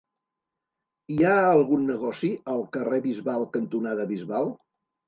Hi ha algun negoci al carrer Bisbal cantonada Bisbal?